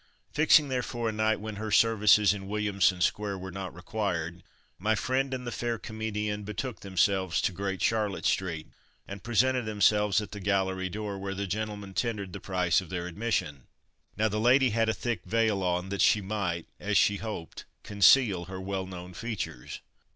Fixing, therefore a night when her services in Williamson square were not required, my friend and the fair comedienne betook themselves to Great Charlotte street and presented themselves at the gallery door where the gentleman tendered the price of their admission. Now the lady had a thick veil on that she might, as she hoped, conceal her well known features.